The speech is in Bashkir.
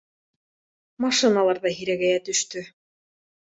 Машиналар ҙа һирәгәйә төштө.